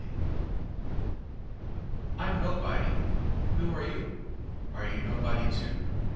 LIFE. I. I'm nobody! Who are you? Are you nobody, too?